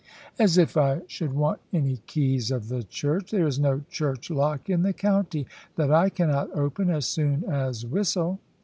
"As if I should want any keys of the church! There is no church lock in the county that I cannot open, as soon as whistle."